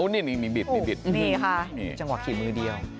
นี่จังหวะขี่มือเดียว